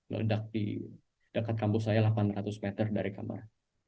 ledak di dekat kampus saya delapan ratus meter dari kamar